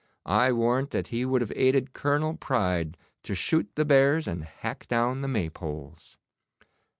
I warrant that he would have aided Colonel Pride to shoot the bears and hack down the maypoles.